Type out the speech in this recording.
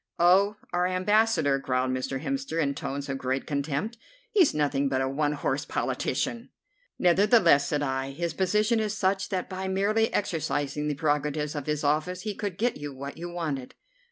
"Oh! our Ambassador!" growled Mr. Hemster in tones of great contempt; "he's nothing but a one horse politician." "Nevertheless," said I, "his position is such that by merely exercising the prerogatives of his office he could get you what you wanted."